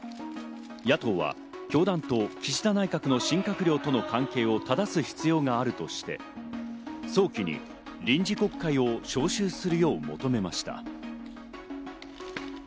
野党は教団と岸田内閣の新閣僚との関係を正す必要があるとして、早期に臨時国会を召集するよう求めました。